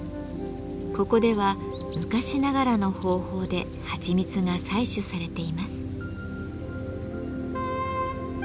ここでは昔ながらの方法ではちみつが採取されています。